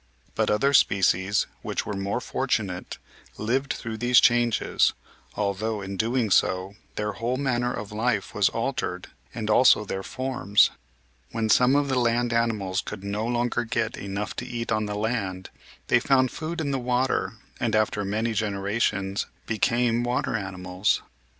But other species which were more fortunate lived through these changes, although, in doing so, their whole manner of life was altered and also their forms. When some of the land ani mals could no longer get enough to eat on the land, they found food in the water and, after many generations, became water animals.